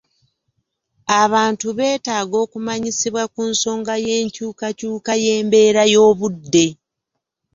Abantu beetaaga okumanyisibwa ku nsonga y'enkyukakyuka y'embeera y'obudde.